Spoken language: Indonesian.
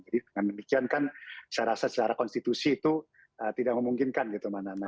jadi dengan demikian kan saya rasa secara konstitusi itu tidak memungkinkan gitu mbak nana